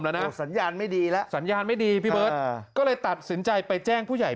แล้วนะสัญญาณไม่ดีแล้วสัญญาณไม่ดีพี่เบิร์ตก็เลยตัดสินใจไปแจ้งผู้ใหญ่